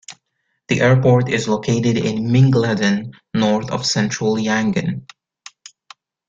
The airport is located in Mingaladon, north of central Yangon.